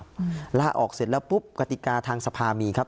อืมล่าออกเสร็จแล้วปุ๊บกติกาทางสภามีครับ